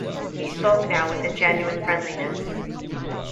He spoke now with a genuine friendliness.